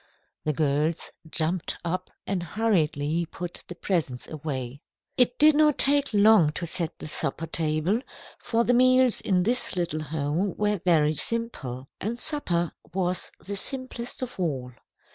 The girls jumped up and hurriedly put the presents away. It did not take long to set the supper table, for the meals in this little home were very simple, and supper was the simplest of all.